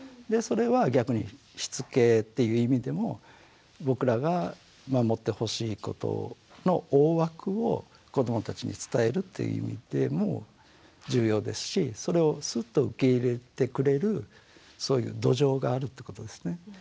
でそれは逆にしつけっていう意味でも僕らが守ってほしいことの大枠を子どもたちに伝えるという意味でも重要ですしそれをスッと受け入れてくれるそういう土壌があるってことですね。